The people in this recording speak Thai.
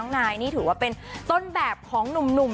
หรือว่าเป็นต้นแบบของหนุ่ม